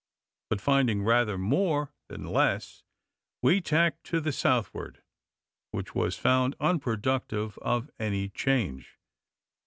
But finding rather more than less, we tacked to the Southward, which was found unproductive of any change.